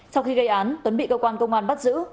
sau khi gây án tuấn bị cơ quan công an bắt giữ